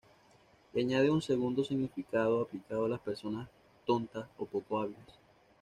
Y añade un segundo significado aplicado a las personas tontas o poco hábiles.